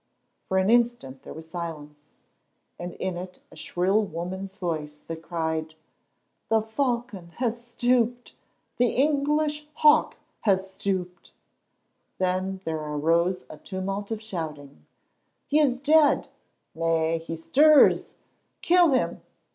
For an instant there was silence, and in it a shrill woman's voice that cried: "The Falcon has stooped. The English hawk has stooped!" Then there arose a tumult of shouting. "He is dead!" "Nay, he stirs." "Kill him!"